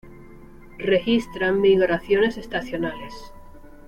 Registran migraciones estacionales.